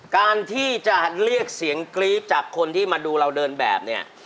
การที่จะเรียกเสียงกรี๊ดจากคนที่มาดูเราเดินแบบเนี่ย